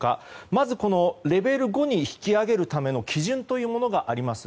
まずレベル５に引き上げるための基準というものがあります。